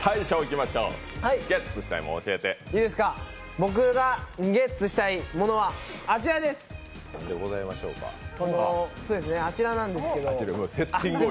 僕がゲッツしたいものはあちらです！